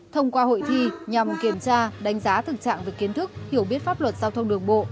thông qua hội thi nhằm kiểm tra đánh giá thực trạng về kiến thức hiểu biết pháp luật giao thông đường bộ